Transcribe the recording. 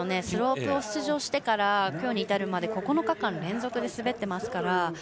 スロープを出場してから今日に至るまで９日間連続で滑っていますから。